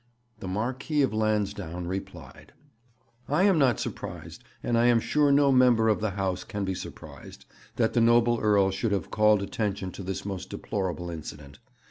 The Marquis of Lansdowne replied: 'I am not surprised, and I am sure no member of the House can be surprised, that the noble Earl should have called attention to this most deplorable incident.